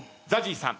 ＺＡＺＹさん